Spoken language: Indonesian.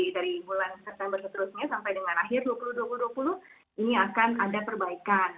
dari bulan september seterusnya sampai dengan akhir dua ribu dua puluh dua puluh ini akan ada perbaikan